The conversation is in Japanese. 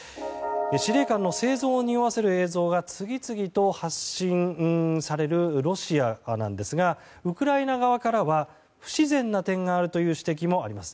司令官の生存を匂わせる映像が次々と発信されるロシアなんですがウクライナ側からは不自然な点があるという指摘もあります。